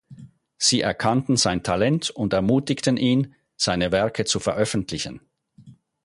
Sie erkannten sein Talent und ermutigten ihn, seine Werke zu veröffentlichen.